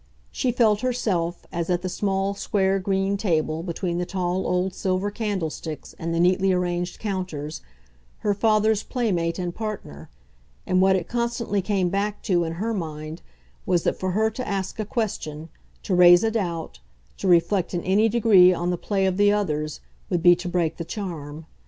She felt herself as at the small square green table, between the tall old silver candlesticks and the neatly arranged counters her father's playmate and partner; and what it constantly came back to, in her mind, was that for her to ask a question, to raise a doubt, to reflect in any degree on the play of the others, would be to break the charm.